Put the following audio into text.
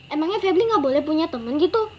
emangnya febri gak boleh punya teman gitu